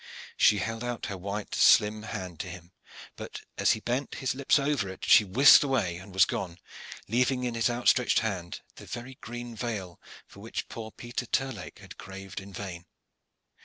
She held out her white, slim hand to him, but as he bent his lips over it she whisked away and was gone, leaving in his outstretched hand the very green veil for which poor Peter Terlake had craved in vain.